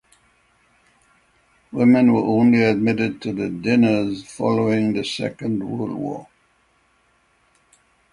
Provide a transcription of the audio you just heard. Women were only admitted to the dinners following the Second World War.